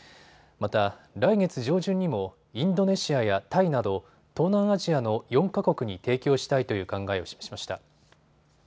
また、来月上旬にもインドネシアやタイなど東南アジアの４か国に提供したいという考えを示しました。